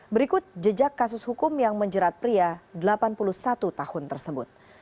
berikut jejak kasus hukum yang menjerat pria delapan puluh satu tahun tersebut